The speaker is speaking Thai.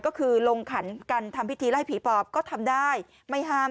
ก็คือลงขันกันทำพิธีไล่ผีปอบก็ทำได้ไม่ห้าม